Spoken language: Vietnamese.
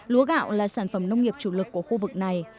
lúa gạo là sản phẩm nông nghiệp chủ lực của khu vực này